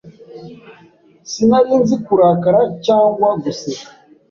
Sinari nzi kurakara cyangwa guseka.